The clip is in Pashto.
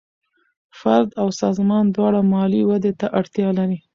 فرد او سازمان دواړه مالي ودې ته اړتیا لري.